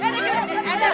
eh enggak enggak